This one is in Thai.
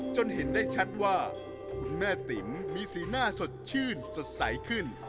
เห็นได้ชัดว่าคุณแม่ติ๋มมีสีหน้าสดชื่นสดใสขึ้น